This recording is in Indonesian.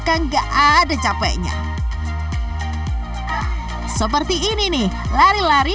kamu sudah sempat sounderenyou dengan hospital